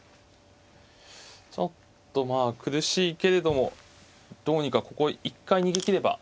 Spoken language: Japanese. ちょっとまあ苦しいけれどもどうにかここを一回逃げきれば。